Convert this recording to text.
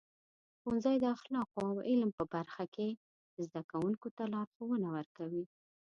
ښوونځي د اخلاقو او علم په برخه کې زده کوونکو ته لارښونه ورکوي.